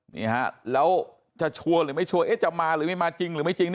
นี่ฮะแล้วจะชัวร์หรือไม่ชัวร์จะมาหรือไม่มาจริงหรือไม่จริง